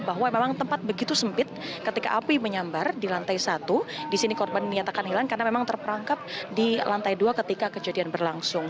bahwa memang tempat begitu sempit ketika api menyambar di lantai satu di sini korban dinyatakan hilang karena memang terperangkap di lantai dua ketika kejadian berlangsung